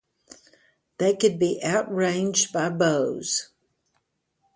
They could be outranged by bows.